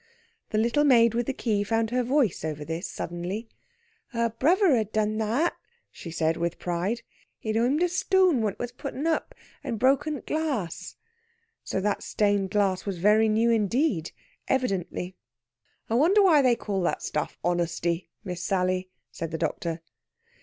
The little maid with the key found her voice over this suddenly. Her bruvver had done that, she said with pride. He had oymed a stoo an when it was putten up, and brokken t' glass. So that stained glass was very new indeed, evidently. "I wonder why they call that stuff 'honesty,' Miss Sally?" said the doctor.